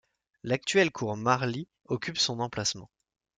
L'actuelle cour Marly occupe son emplacement.